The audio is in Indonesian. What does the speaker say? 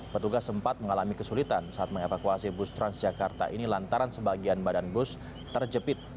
petugas sempat mengalami kesulitan saat mengevakuasi bus transjakarta ini lantaran sebagian badan bus terjepit